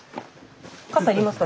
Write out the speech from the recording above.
傘要りますか？